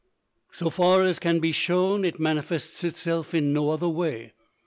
So far as can be shown, it manifests itself in no other way.